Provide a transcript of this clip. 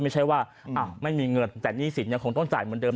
ไม่ใช่ว่าไม่มีเงินแต่หนี้สินยังคงต้องจ่ายเหมือนเดิม